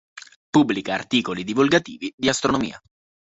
Pubblica articoli divulgativi di astronomia.